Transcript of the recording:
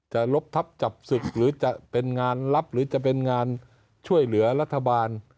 ลบทับจับศึกหรือจะเป็นงานลับหรือจะเป็นงานช่วยเหลือรัฐบาล